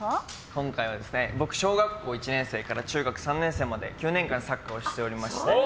今回は、僕、小学校１年生から中学３年生まで９年間サッカーをしておりまして。